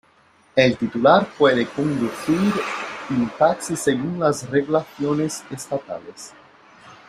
El titular puede conducir un taxi según las regulaciones estatales.